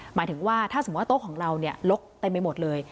หมายถึงว่าถ้าสมมุติว่าโต๊ะของเราลกเต็มไปหมดเลย